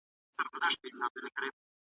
چي کیسې اورم د هیوادونو .